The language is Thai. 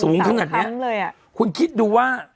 สูงขนาดเนี้ยคุณคิดดูว่า